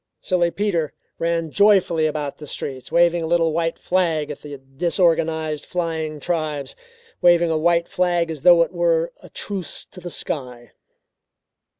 Silly Peter ran joyfully about the streets waving a little white flag at the disorganized flying tribes, waving a white flag as though it were a truce to the sky.